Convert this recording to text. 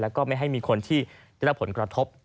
แล้วก็ไม่ให้มีคนที่ได้รับผลกระทบ